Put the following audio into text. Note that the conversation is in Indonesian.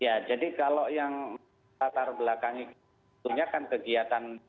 ya jadi kalau yang melatar belakangnya kleti itu kan kegiatan